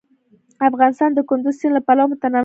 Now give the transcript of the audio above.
افغانستان د کندز سیند له پلوه متنوع دی.